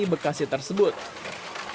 di kampung kebalen kepala kepala dan kampung kebalen